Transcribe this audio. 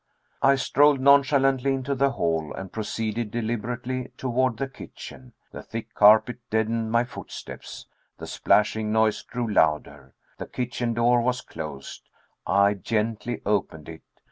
I strolled nonchalantly into the hall, and proceeded deliberately toward the kitchen. The thick carpet deadened my footsteps. The splashing noise grew louder. The kitchen door was closed. I gently opened it.